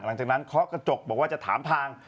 หลังจากนั้นเคาะกระจกบอกว่าจะถามทาง